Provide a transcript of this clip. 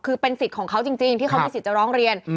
คือเป็นสิทธิ์ของเขาจริงที่เขามีสิทธิ์จะร้องเรียน